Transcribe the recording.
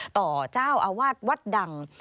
ต่อเจ้าอาวาสวัดดัง